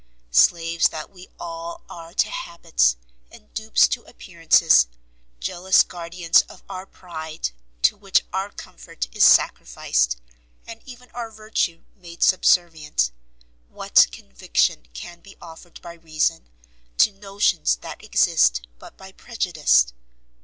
Slaves that we all are to habits, and dupes to appearances, jealous guardians of our pride, to which our comfort is sacrificed, and even our virtue made subservient, what conviction can be offered by reason, to notions that exist but by prejudice?